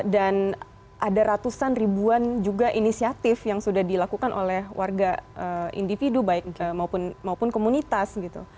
dan ada ratusan ribuan juga inisiatif yang sudah dilakukan oleh warga individu maupun komunitas